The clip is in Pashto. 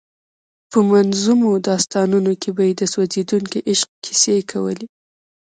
په منظومو داستانونو کې به یې د سوځېدونکي عشق کیسې کولې.